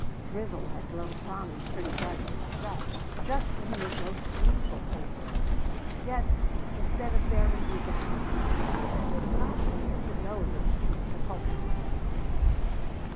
Grizel had blown Tommy's pretty project to dust just when he was most gleeful over it; yet, instead of bearing resentment, he pretended not even to know that she was the culprit.